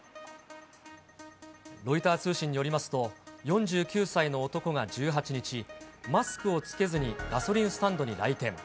ロイター通信によりますと、４９歳の男が１８日、マスクを着けずにガソリンスタンドに来店。